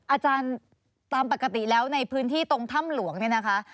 อาจารย์ตามปกติแล้วในพื้นที่ตรงถ้ำหลวงเนี่ยนะคะ